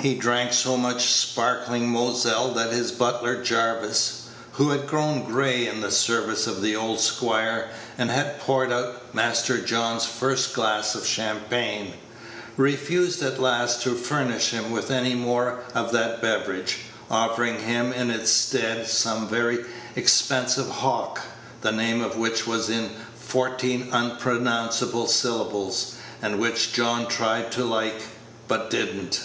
He drank so much sparkling Moselle that his butler Jarvis (who had grown gray in the service of the old squire, and had poured out Master John's first glass of Champagne) refused at last to furnish him with any more of that beverage, offering him in its stead some very expensive Hock, the name of which was in fourteen unpronounceable syllables, and which John tried to like, but did n't.